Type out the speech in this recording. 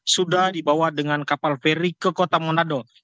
sudah dibawa dengan kapal feri ke kota manado